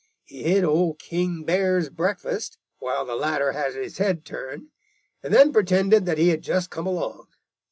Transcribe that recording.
He hid Old King Bear's breakfast, while the latter had his head turned, and then pretended that he had just come along.